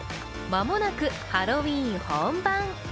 間もなくハロウィーン本番。